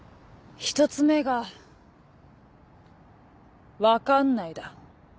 １つ目が「分かんない」だ。